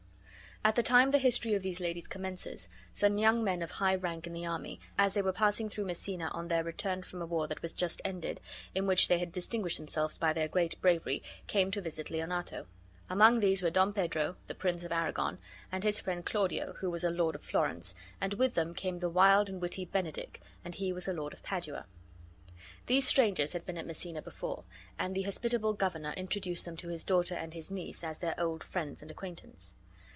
At the time the history of these ladies commences some young men of high rank in the army, as they were passing through Messina on their return from a war that was just ended, in which they bad distinguished themselves by their great bravery, came to visit Leonato. Among these were Don Pedro, the Prince of Arragon, and his friend Claudio, who was a lord of Florence; and with them came the wild and witty Benedick, and he was a lord of Padua. These strangers had been at Messina before, and the hospitable governor introduced them to his daughter and his niece as their old friends and acquaintance.